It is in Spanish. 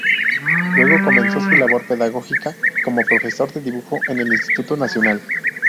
Luego comenzó su labor pedagógica como profesor de dibujo en el Instituto Nacional.